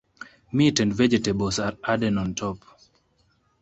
Meat and vegetables are added on top.